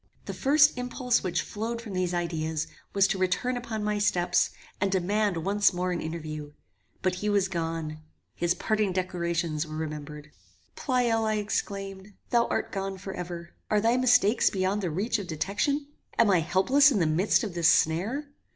The first impulse which flowed from these ideas was to return upon my steps, and demand once more an interview; but he was gone: his parting declarations were remembered. Pleyel, I exclaimed, thou art gone for ever! Are thy mistakes beyond the reach of detection? Am I helpless in the midst of this snare?